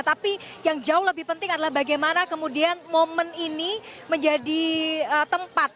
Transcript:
tapi yang jauh lebih penting adalah bagaimana kemudian momen ini menjadi tempat